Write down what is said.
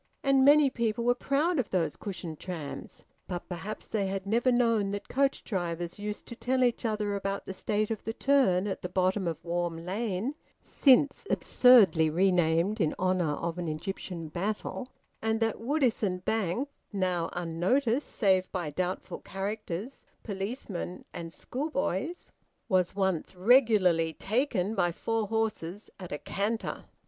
And many people were proud of those cushioned trams; but perhaps they had never known that coach drivers used to tell each other about the state of the turn at the bottom of Warm Lane (since absurdly renamed in honour of an Egyptian battle), and that Woodisun Bank (now unnoticed save by doubtful characters, policemen, and schoolboys) was once regularly `taken' by four horses at a canter.